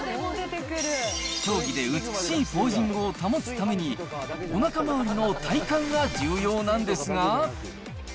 競技で美しいポージングを保つために、おなか回りの体幹が重要なんですが。